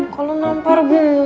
kalau nampar gue